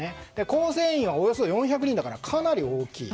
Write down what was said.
構成員はおよそ４００人だからかなり大きい。